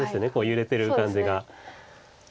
揺れてる感じが。